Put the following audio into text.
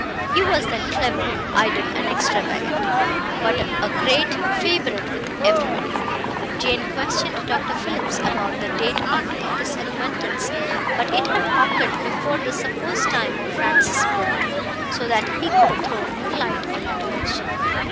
He was then clever, idle, and extravagant, but a great favourite with everybody. Jane questioned Dr. Phillips about the date of this acquaintance, but it had occurred before the supposed time of Francis's birth, so that he could throw no light on that question.